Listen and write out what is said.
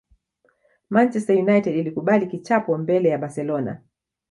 Manchester United ilikubali kichapo mbele ya barcelona